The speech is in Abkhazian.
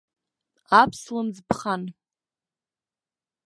Аԥслымӡ ԥхан.